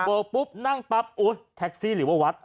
ปุ๊บนั่งปั๊บโอ๊ยแท็กซี่หรือว่าวัด